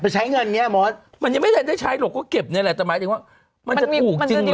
อ๋อไปใช้เงินอย่างนี้อะมศมันยังไม่ได้ใช้หรอกก็เก็บเนี่ยแหละแต่มันจะถูกจริงเหรอ